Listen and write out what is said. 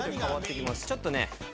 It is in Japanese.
ちょっとね